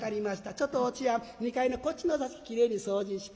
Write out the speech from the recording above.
ちょっとおちょやん２階のこっちの座席きれいに掃除して。